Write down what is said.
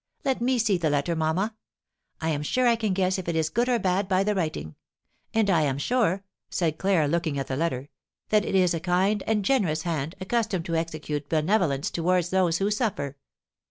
Let me see the letter, mamma. I am sure I can guess if it is good or bad by the writing. And I am sure," said Claire, looking at the letter, "that it is a kind and generous hand, accustomed to execute benevolence towards those who suffer."